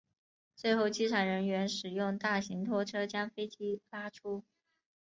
最后机场人员使用大型拖车将飞机拉出。